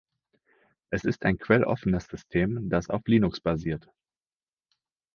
Es ist ein quelloffenes System, das auf Linux basiert.